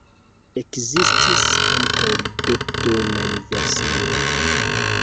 Ekzistis ankaŭ betonaj versioj.